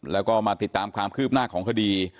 แล้วก็มาติดตามความคืบหน้าของคดี